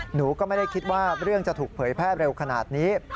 หนูก็ไม่ได้คิดว่าเรื่องจะถูกเผยแพร่เร็วขนาดนี้